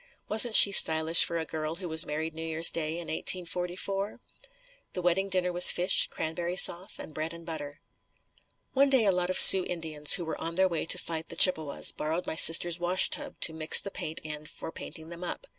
Wasn't she stylish for a girl who was married New Years day in 1844? The wedding dinner was fish, cranberry sauce and bread and butter. One day a lot of Sioux Indians who were on their way to fight the Chippewas borrowed my sister's washtub to mix the paint in for painting them up.